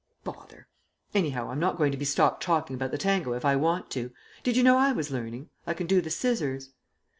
"Bother! Anyhow, I'm not going to be stopped talking about the tango if I want to. Did you know I was learning? I can do the scissors."